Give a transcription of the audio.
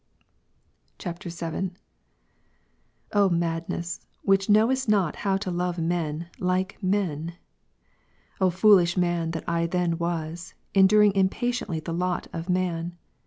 [VII.] 12.0 madness, which knowest not howto love men, like men! O foolish man that I then was, enduring impatiently the lot of man